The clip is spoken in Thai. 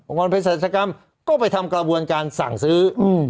องค์กรเพศสัตว์กรรมก็ไปทำกระบวนการสั่งซื้อ